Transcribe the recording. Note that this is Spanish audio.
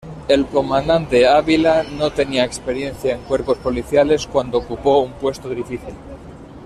El comandante Ávila no tenía experiencia en cuerpos policiales cuando ocupó un puesto difícil.